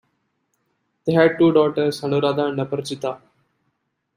They had two daughters, Anuradha and Aparijitha.